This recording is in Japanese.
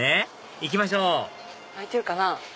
行きましょう開いてるかな？